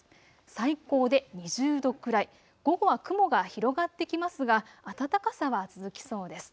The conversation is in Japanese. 最高で２０度くらい、午後は雲が広がってきますが暖かさは続きそうです。